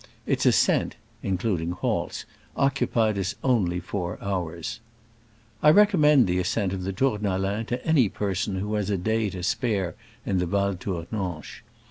Its ascent (in eluding halts) occu pied us only ./ four hours. ' I recom mend the as cent of the Tournalin to any per son who has a day to spare in the Val Tour nanche.